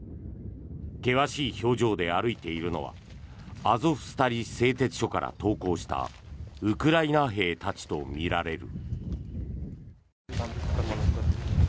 険しい表情で歩いているのはアゾフスタリ製鉄所から投降したウクライナ兵たちとみられる。